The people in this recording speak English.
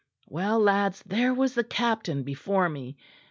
Well, lads, there was the captain before me.